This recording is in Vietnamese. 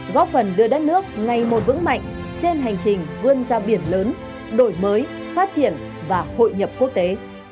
góp phần đưa đất nước ngày một vững mạnh trên hành trình vươn ra biển lớn đổi mới phát triển và hội nhập quốc tế